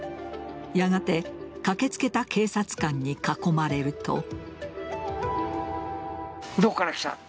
やがて駆けつけた警察官に囲まれると。